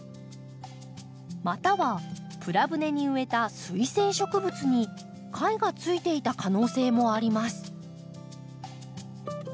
またはプラ舟に植えた水生植物に貝がついていた可能性もあります。